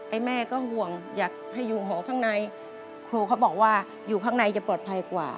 แม่ก็ห่วงอยากให้อยู่หอข้างในครูเขาบอกว่าอยู่ข้างในจะปลอดภัยกว่า